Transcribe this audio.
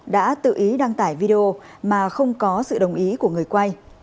đã tự ý đăng tải video mà không có sự đồng ý của người quay